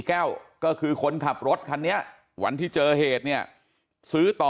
แก้วก็คือคนขับรถคันนี้วันที่เจอเหตุเนี่ยซื้อต่อ